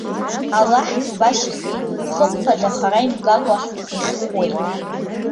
Аллаҳгьы убас иҳәеит:- Хымԥада, хара имгакәа иахьхәуеит!